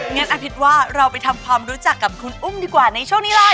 งั้นอภิษว่าเราไปทำความรู้จักกับคุณอุ้มดีกว่าในช่วงนี้เลย